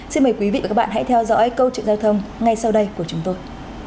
xin mời quý vị và các bạn hãy theo dõi câu chuyện giao thông ngay sau đây của chúng tôi